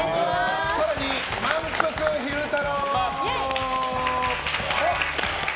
更に、まんぷく昼太郎！